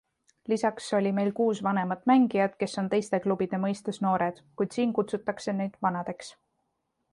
Lisaks oli meil kuus vanemat mängijat, kes on teiste klubide mõistes noored, kuid siin kutsutakse neid vanadeks.